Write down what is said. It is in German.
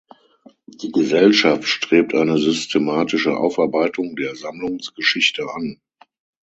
Die Gesellschaft strebt eine systematische Aufarbeitung der Sammlungsgeschichte an.